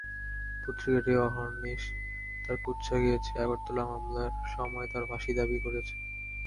পত্রিকাটি অহর্নিশ তাঁর কুৎসা গেয়েছে, আগরতলা মামলার সময় তাঁর ফাঁসি দাবি করেছে।